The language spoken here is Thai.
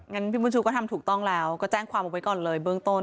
พี่บุญชูก็ทำถูกต้องแล้วก็แจ้งความเอาไว้ก่อนเลยเบื้องต้น